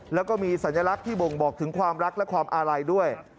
แล้วก็มีสัญลักษณ์ที่บ่งบอกถึงความรักและความอาลัยด้วย